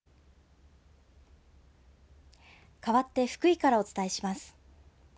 かわって福井からお伝えします。